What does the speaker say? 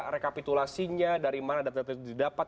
rekapitulasinya dari mana data data itu didapat